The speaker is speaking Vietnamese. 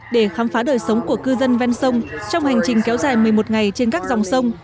để khám phá đời sống của cư dân ven sông trong hành trình kéo dài một mươi một ngày trên các dòng sông